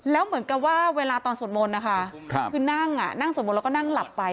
แล้วเหมือนกับว่าเวลาตอนสวดมนต์นะคะคือนั่งนั่งสวดมนต์แล้วก็นั่งหลับไป